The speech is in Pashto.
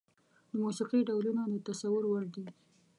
د موسيقي ډولونه د تصور وړ دي.